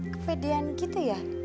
kepedean gitu ya